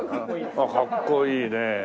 あっかっこいいね。